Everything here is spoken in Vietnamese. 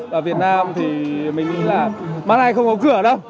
và việt nam thì mình nghĩ là mà nay không có cửa đâu